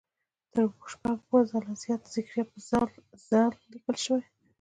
تر شپږ اووه ځله زیات زکریا په "ذ" لیکل شوی.